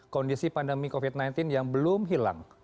kondisi pandemi covid sembilan belas yang belum hilang